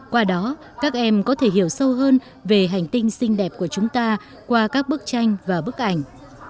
qua đó các em có thể hiểu sâu hơn về hành tinh xinh đẹp của chúng ta qua các bức tranh và bức ảnh